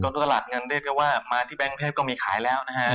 กองทุนตลาดเงินเรียกว่ามาที่แบงค์เทศก็มีขายแล้วนะฮะ